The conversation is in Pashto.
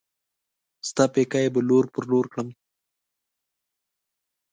ستا پيکی به لور پر لور کړم